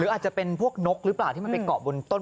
อาจจะเป็นพวกนกหรือเปล่าที่มันไปเกาะบนต้น